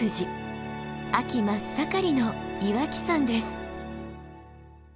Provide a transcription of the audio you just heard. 秋真っ盛りの岩木山です。